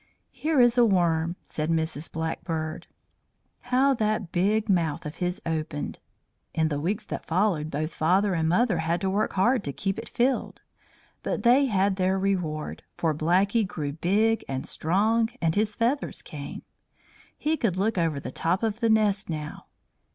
"Here is a worm," said Mrs. Blackbird. How that big mouth of his opened! In the weeks that followed both father and mother had to work hard to keep it filled. But they had their reward, for Blackie grew big and strong, and his feathers came. He could look over the top of the nest now.